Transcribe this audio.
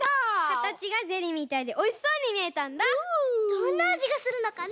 どんなあじがするのかな？